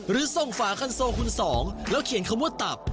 หรือส่งฝาคันโซคุณสองแล้วเขียนคำว่าตับ